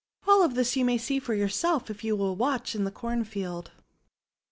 All this you may see for yourself, if you will watch in the Cornfield.